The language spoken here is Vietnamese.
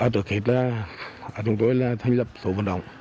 trước hết là chúng tôi là thành lập số vận động